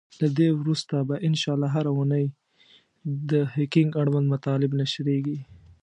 له دی وروسته به ان شاءالله هره اونۍ د هکینګ اړوند مطالب نشریږی.